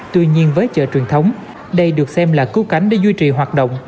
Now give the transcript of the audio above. tuy nhiên với chợ truyền thống đây được xem là cứu cánh để duy trì hoạt động